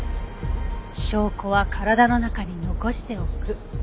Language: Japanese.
「証拠は体の中に残しておく」。